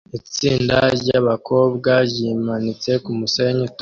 Itsinda ryabakobwa ryimanitse kumusenyi utose